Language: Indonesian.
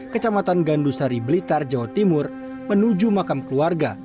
kecamatan gandusari blitar jawa timur menuju makam keluarga